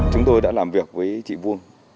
chúng tôi đã làm việc với chị vuông